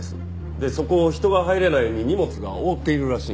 でそこを人が入れないように荷物が覆っているらしいんです。